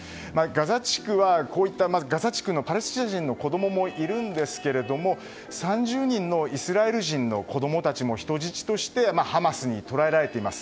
ガザ地区ではガザ地区のパレスチナ人の子供もいるんですが３０人のイスラエル人の子供たちも人質としてハマスに捕らえられています。